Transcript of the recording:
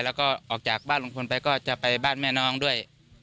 แล้วก็ออกจากบ้านลุงพลไปก็จะไปบ้านแม่น้องด้วย